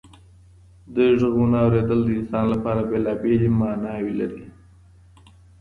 د غږونو اورېدل د انسان لپاره بېلابېل معنی لري.